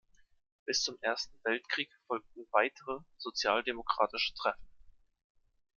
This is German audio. Bis zum Ersten Weltkrieg folgten weitere sozialdemokratische Treffen.